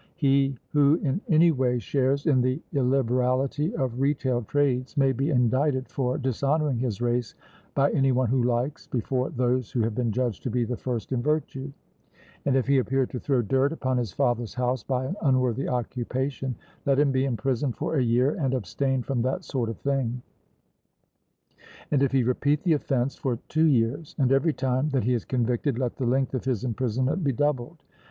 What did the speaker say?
He who in any way shares in the illiberality of retail trades may be indicted for dishonouring his race by any one who likes, before those who have been judged to be the first in virtue; and if he appear to throw dirt upon his father's house by an unworthy occupation, let him be imprisoned for a year and abstain from that sort of thing; and if he repeat the offence, for two years; and every time that he is convicted let the length of his imprisonment be doubled.